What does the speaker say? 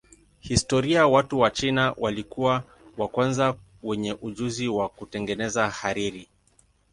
Kihistoria watu wa China walikuwa wa kwanza wenye ujuzi wa kutengeneza hariri.